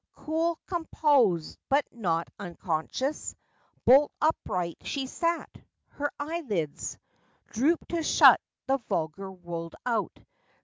Cool, composed, but not unconscious— Bolt upright she sat, her eyelids Drooped to shut the vulgar world out.